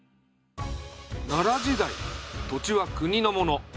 奈良時代土地は国のもの。